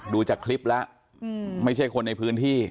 ดูจากคลิปแล้วไม่ใช่คนในพื้นที่